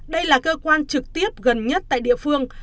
đây là cơ quan trực tiếp gần nhất tại địa phương